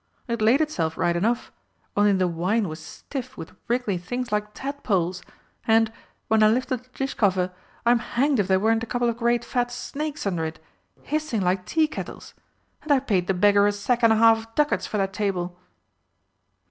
It laid itself right enough, only the wine was stiff with wriggly things like tadpoles and, when I lifted the dish cover, I'm hanged if there weren't a couple of great fat snakes under it, hissing like tea kettles! And I paid the beggar a sack and a half of ducats for that table!"